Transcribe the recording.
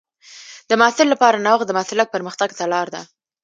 د محصل لپاره نوښت د مسلک پرمختګ ته لار ده.